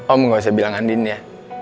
om gak usah bilang andin ya